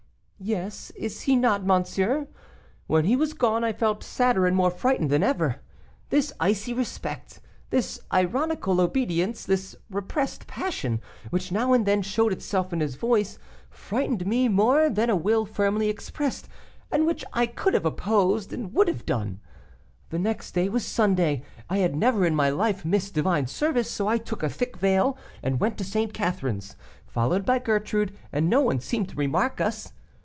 "Yes, is he not, monsieur? When he was gone I felt sadder and more frightened than ever. This icy respect, this ironical obedience, this repressed passion, which now and then showed itself in his voice, frightened me more than a will firmly expressed, and which I could have opposed, would have done. The next day was Sunday; I had never in my life missed divine service, so I took a thick veil and went to St. Catherine's, followed by Gertrude, and no one seemed to remark us.